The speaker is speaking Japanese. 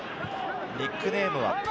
ニックネームは虎。